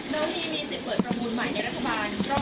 แล้วที่มีสิทธิ์เปิดประมูลใหม่ในรัฐบาลรอบหน้าไหมครับ